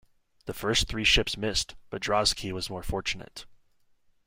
The first three ships missed, but "Drazki" was more fortunate.